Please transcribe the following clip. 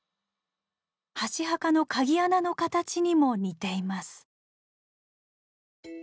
箸墓の鍵穴の形にも似ています。